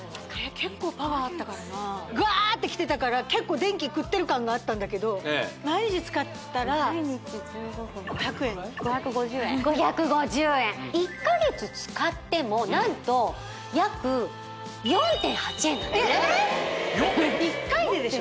結構パワーあったからなグアーッてきてたから結構電気くってる感があったんだけど毎日使ったら５００円５５０円５５０円１か月使っても何と約４．８円えっ１回ででしょ？